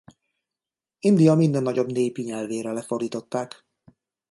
India minden nagyobb népi nyelvére lefordították.